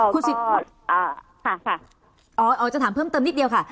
ค่ะค่ะอ๋อจะถามเพิ่มเติมนิดเดียวค่ะ